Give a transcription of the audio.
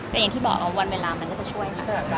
แต่อย่างที่บอกวันเวลามันก็ช่วย